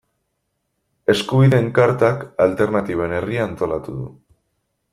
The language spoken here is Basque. Eskubideen Kartak Alternatiben Herria antolatu du.